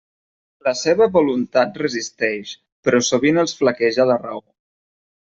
La seva voluntat resisteix, però sovint els flaqueja la raó.